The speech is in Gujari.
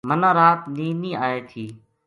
مَنا رات نیند نیہہ آئے تھی